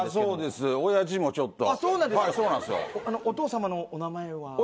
お父様のお名前は？